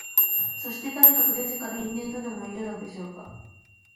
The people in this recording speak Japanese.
そして、とにかく前世からの因縁とでもいうのでしょうか、